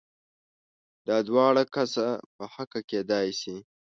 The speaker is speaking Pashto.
دا دواړه کسه په حقه کېدای شي؟